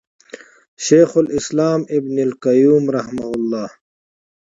شيخ الإسلام ابن القيّم رحمه الله